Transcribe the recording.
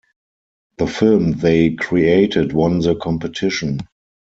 The film they created won the competition.